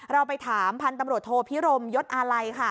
เราไปถามพันธุ์ตำรวจโทพิรมยศอาลัยค่ะ